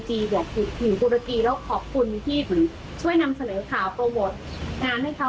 ช่วยนำเสนอข่าวโปรโมทงานให้เขา